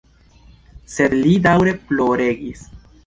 Sed li daŭre ploregis.